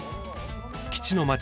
基地の街